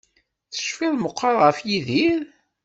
Tecfiḍ meqqar ɣef Yidir?